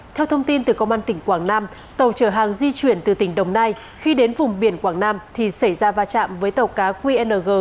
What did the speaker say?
theo thông tin từ công an tỉnh quảng nam tàu chở hàng di chuyển từ tỉnh đồng nai khi đến vùng biển quảng nam thì xảy ra va chạm với tàu cá qng chín mươi một nghìn bốn trăm hai mươi sáu